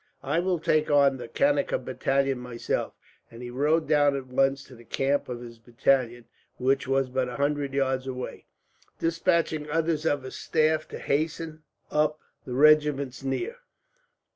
"I will take on the Kannaker battalion myself," and he rode down at once to the camp of this battalion, which was but a hundred yards away; despatching others of his staff to hasten up the regiments near.